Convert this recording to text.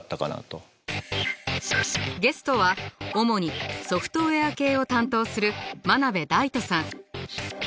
ゲストは主にソフトウェア系を担当する真鍋大度さん。